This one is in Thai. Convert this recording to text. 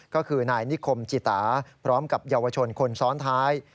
ก็คือนายนิคมจิตาพร้อมกับเยาวชนคนซ้อนท้าย